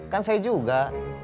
kan saya juga